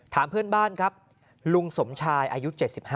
ถามเพื่อนบ้านครับลุงสมชายอายุ๗๕